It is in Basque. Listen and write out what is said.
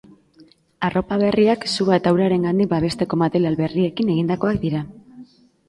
Arropa berriak sua eta urarengandik babesteko material berriekin egindakoak dira.